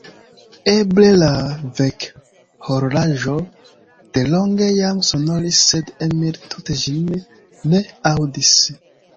Eble la vekhorloĝo delonge jam sonoris, sed Emil tute ĝin ne aŭdis.